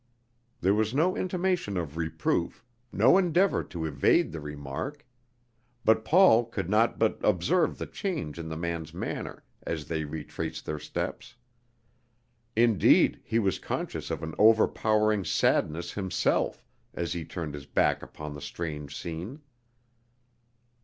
There was no intimation of reproof, no endeavor to evade the remark; but Paul could not but observe the change in the man's manner as they retraced their steps. Indeed, he was conscious of an overpowering sadness himself, as he turned his back upon the strange scene.